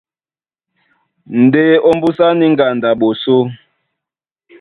Ndé ómbùsá ní ŋgando a ɓosó,